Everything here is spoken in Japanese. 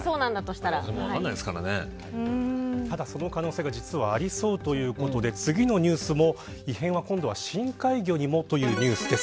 ただ、その可能性が実はありそうということで次のニュースも異変は今度は深海魚にもというニュースです。